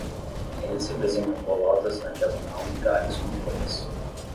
Eles representam bolotas na diagonal e galhos com folhas.